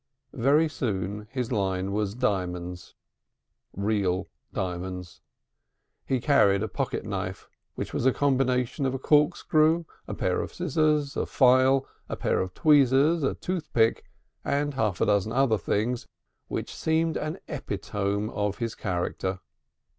Very soon his line was diamonds, real diamonds. He carried, a pocket knife which was a combination of a corkscrew, a pair of scissors, a file, a pair of tweezers, a toothpick, and half a dozen other things, and which seemed an epitome of his character.